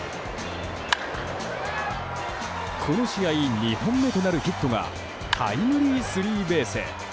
この試合２本目となるヒットがタイムリースリーベース。